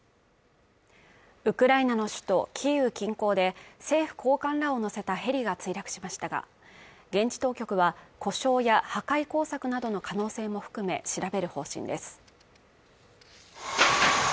ウクライナの首都キーウ近郊で政府高官らを乗せたヘリが墜落しましたが現地当局は故障や破壊工作などの可能性も含め調べる方針です